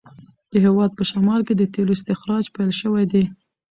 د هیواد په شمال کې د تېلو استخراج پیل شوی دی.